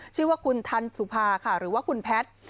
ชื่อว่าคุณทันสุภาค่ะหรือว่าคุณแพทย์